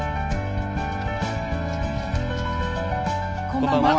こんばんは。